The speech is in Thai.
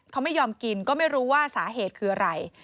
เขาไม่ยอมกินก็ไม่รู้ว่าสาเหตุคืออะไร